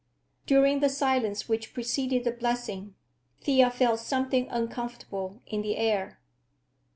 During the silence which preceded the blessing, Thea felt something uncomfortable in the air.